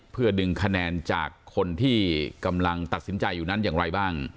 เพื่อดึงคะแนนจากคนที่กำลังตัดสินใจอยู่นั้นอย่างไรบ้าง